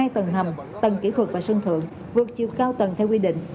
hai tầng hầm tầng kỹ thuật và sân thượng vượt chiều cao tầng theo quy định